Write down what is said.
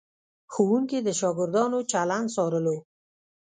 ښوونکي د شاګردانو چلند څارلو.